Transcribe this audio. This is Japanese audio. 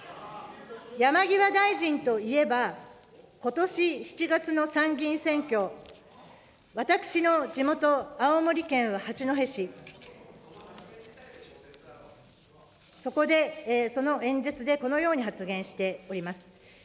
山際大臣といえば、ことし７月の参議院選挙、私の地元、青森県八戸市、そこで、その演説で、このように発言しております。